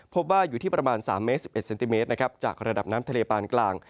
พบว่าอยู่ที่ประมาณ๓เมตร๑๑เซนติเมตรนะครับจากระดับน้ำทะเลปานกลาง